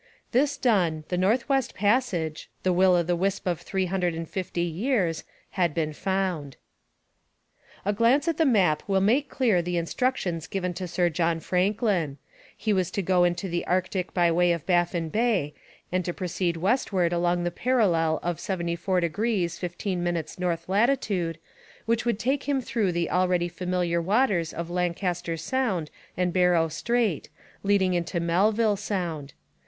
This done, the North West Passage, the will o' the wisp of three hundred and fifty years, had been found. A glance at the map will make clear the instructions given to Sir John Franklin. He was to go into the Arctic by way of Baffin Bay, and to proceed westward along the parallel of 74° 15' north latitude, which would take him through the already familiar waters of Lancaster Sound and Barrow Strait, leading into Melville Sound.